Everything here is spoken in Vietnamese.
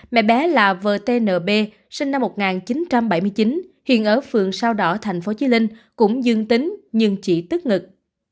mẹ bé là vtnb sinh năm một nghìn chín trăm bảy mươi chín hiện ở phường sao đỏ tp chí linh cũng dương tính nhưng chỉ tức ngực